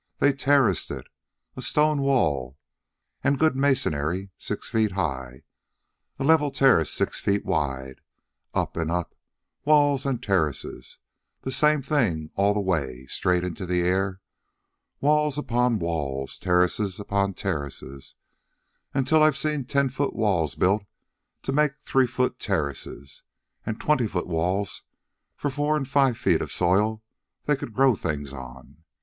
They terraced it a stone wall, and good masonry, six feet high, a level terrace six feet wide; up and up, walls and terraces, the same thing all the way, straight into the air, walls upon walls, terraces upon terraces, until I've seen ten foot walls built to make three foot terraces, and twenty foot walls for four or five feet of soil they could grow things on.